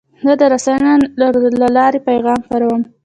زه د رسنیو له لارې پیغام خپروم.